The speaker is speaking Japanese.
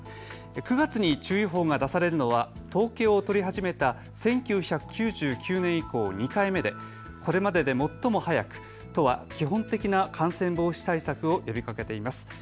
９月に注意報が出されるのは統計を取り始めた１９９９年以降２回目でこれまでで最も早く都は基本的な感染防止対策を呼びかけています。